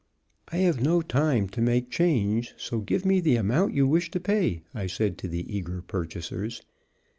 "I have no time to make change, so give me the amount you wish to pay," I said to the eager purchasers.